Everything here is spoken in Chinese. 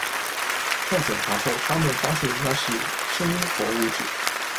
在检查后，他们发现那是生活物质。